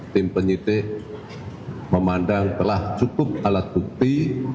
tim penyidik memandang telah cukup alat bukti